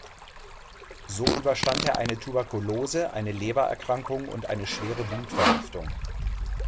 So überstand er eine Tuberkulose, eine Lebererkrankung und eine schwere Blutvergiftung.